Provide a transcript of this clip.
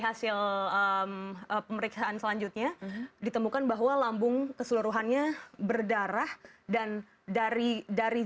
hasil pemeriksaan selanjutnya ditemukan bahwa lambung keseluruhannya berdarah dan dari dari